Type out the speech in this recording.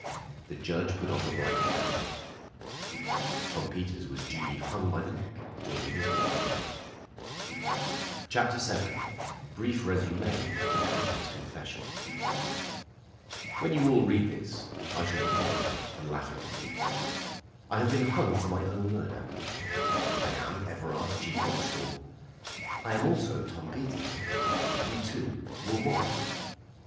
The judge put on the black cap. Tom Peters was duly hung by the neck till he was dead. [Illustration: THE CORPSE WASHED UP BY THE RIVER.] CHAPTER VII. BRIEF RÉSUMÉ OF THE CULPRIT'S CONFESSION. When you all read this I shall be dead and laughing at you. I have been hung for my own murder. I am Everard G. Roxdal. I am also Tom Peters. We two were one.